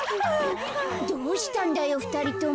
どうしたんだよふたりとも。